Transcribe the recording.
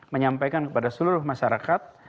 menyampaikan kepada seluruh masyarakat